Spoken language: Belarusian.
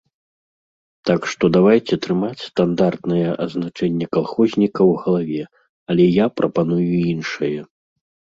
Так што давайце трымаць стандартнае азначэнне калхозніка ў галаве, але я прапаную іншае.